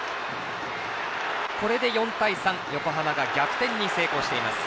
これで４対３横浜が逆転に成功しています。